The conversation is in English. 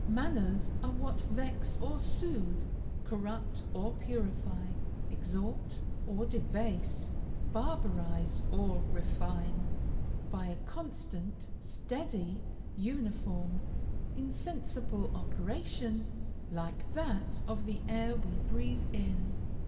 Manners are what vex or sooth, corrupt or purify, exalt or debase, barbarise or refine, by a constant, steady, uniform, insensible operation, like that of the air we breathe in.